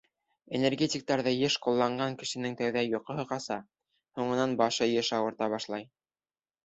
Энергетиктарҙы йыш ҡулланған кешенең тәүҙә йоҡоһо ҡаса, һуңынан башы йыш ауырта башлай.